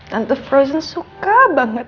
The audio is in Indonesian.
tante frozen suka banget